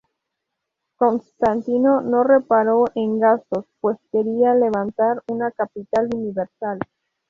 Constantino no reparó en gastos, pues quería levantar una capital universal.